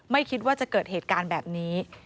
ไม่คิดว่าจะเกิดเหตุการณ์แบบนี้